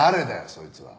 そいつは。